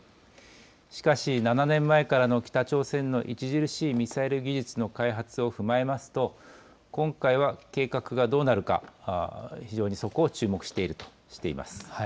しかし７年前からの北朝鮮の著しいミサイル技術の開発を踏まえますと今回は計画がどうなるか、非常にそこを注目しているとしています。